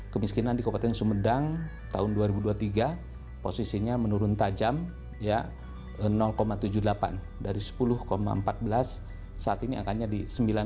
kemiskinan di kabupaten sumedang tahun dua ribu dua puluh tiga posisinya menurun tajam tujuh puluh delapan dari sepuluh empat belas saat ini angkanya di sembilan